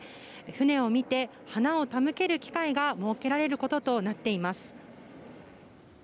船を見て、花を手向ける機会が設けられることとなっています。